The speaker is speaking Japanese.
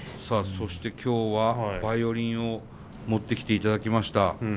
さあそして今日はバイオリンを持ってきていただきました。